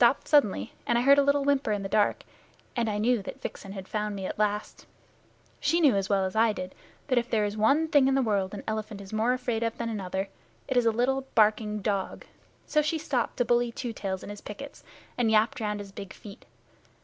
Then he stopped suddenly, and I heard a little whimper in the dark, and knew that Vixen had found me at last. She knew as well as I did that if there is one thing in the world the elephant is more afraid of than another it is a little barking dog. So she stopped to bully Two Tails in his pickets, and yapped round his big feet.